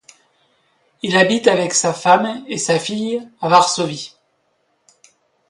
Il habite avec sa femme et sa fille à Varsovie.